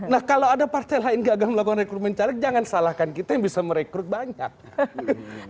nah kalau ada partai lain gagal melakukan rekrutmen caleg jangan salahkan kita yang bisa merekrut banyak